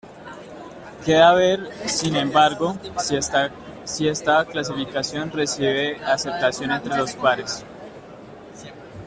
Queda ver, sin embargo, si esta clasificación recibe aceptación entre los pares.